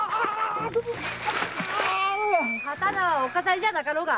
刀はお飾りじゃなかろうが。